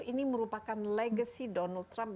ini merupakan legacy donald trump